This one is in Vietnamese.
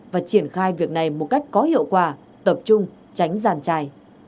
và triển khai việc này một cách có hiệu quả tập trung tránh giàn trải